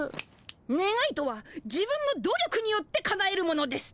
ねがいとは自分の努力によってかなえるものです。